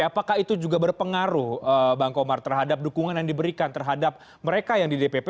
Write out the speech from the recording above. apakah itu juga berpengaruh bang komar terhadap dukungan yang diberikan terhadap mereka yang di dpp